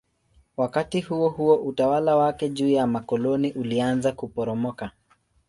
Wakati huohuo utawala wake juu ya makoloni ulianza kuporomoka.